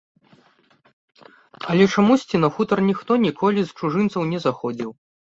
Але чамусьці на хутар ніхто ніколі з чужынцаў не заходзіў.